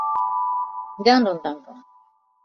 这两种蛋糕都可以搭配粥和糖食用。